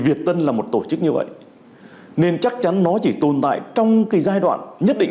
việt tân là một tổ chức như vậy nên chắc chắn nó chỉ tồn tại trong cái giai đoạn nhất định